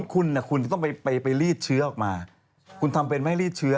คุณคุณจะต้องไปรีดเชื้อออกมาคุณทำเป็นไม่รีดเชื้อ